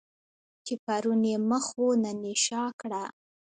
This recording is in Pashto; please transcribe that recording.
چې پرون یې مخ وو نن یې شا کړه.